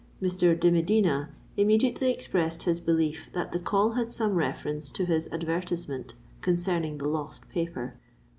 Mr. de Medina immediately expressed his belief that the call had some reference to his advertisement concerning the lost paper.